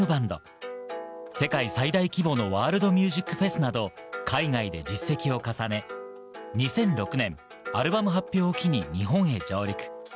世界最大規模のワールドミュージックフェスなど、海外で実績を重ね、２００６年、アルバム発表を機に日本へ上陸。